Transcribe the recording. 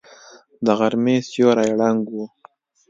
د غرمې سیوری ړنګ و.